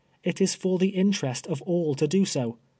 It is for the in terest of all to do so.